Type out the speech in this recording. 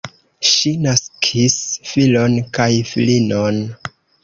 Ŝi naskis filon kaj filinon.